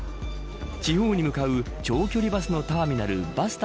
地方に向かう長距離バスのターミナルバスタ